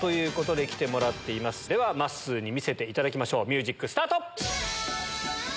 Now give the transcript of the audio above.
まっすー見せていただきましょうミュージックスタート！